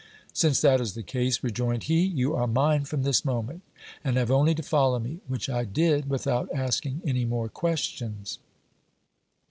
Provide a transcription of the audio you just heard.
Since that is the case, rejoined he, you are mine from this moment, and have only to follow me, which I did without asking any more questions.